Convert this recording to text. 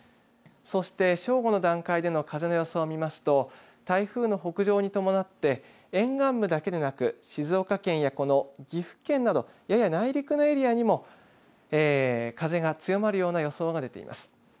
そして正午の段階での風の予想を見ますと台風の北上に伴って沿岸部だけでなく静岡県や岐阜県などやや内陸のエリアにも風が強まるような予想が出ています。